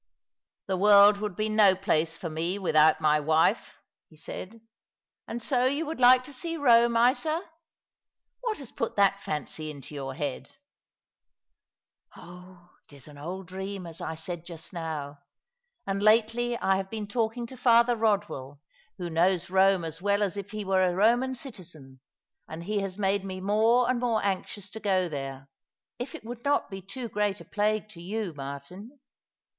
" The world would be no place for me without my wife," he said. " And so you would like to see Rome, Isa ? What has put that fancy into your head ?"" Oh, it is an old dream, as I said just now. And lately 1 have been talking to Father Eodwell, who knows Eome as 240 All along the River. well as if he were a Roman citizen, and he has made me more and more anxious to go there. If it would not be a great plague to you, Martin."